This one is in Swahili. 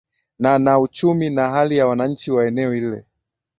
na na uchumi na hali ya wananchi wa eneo hile